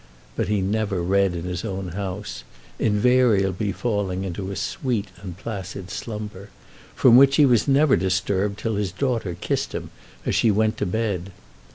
But he never read in his own house, invariably falling into a sweet and placid slumber, from which he was never disturbed till his daughter kissed him as she went to bed.